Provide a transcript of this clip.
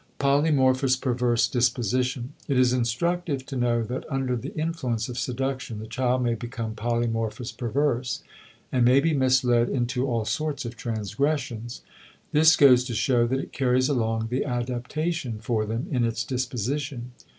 *Polymorphous perverse Disposition.* It is instructive to know that under the influence of seduction the child may become polymorphous perverse and may be misled into all sorts of transgressions. This goes to show that it carries along the adaptation for them in its disposition.